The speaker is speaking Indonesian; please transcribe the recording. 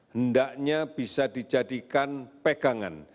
hendaknya bisa dijadikan pegangan